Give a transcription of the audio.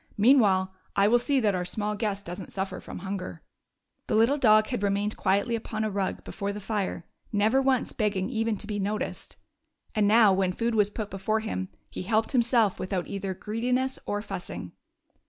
Meanwhile, I will see that our small guest does n't suffer from hunger." . The little dog had remained quietly upon a rug before the fire, never once begging even to be noticed ; and now when food was put before him he helped himself without either greediness or fussing.